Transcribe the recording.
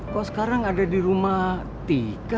kok sekarang ada di rumah tika